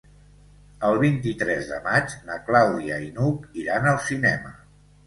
El vint-i-tres de maig na Clàudia i n'Hug iran al cinema.